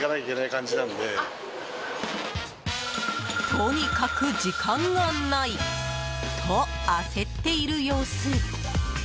とにかく時間がないと焦っている様子。